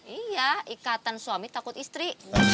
iya ikatan suami takut istri